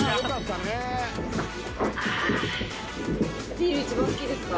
ビール一番好きですか？